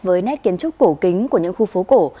với nét kiến trúc cổ kính của những khu phố cổ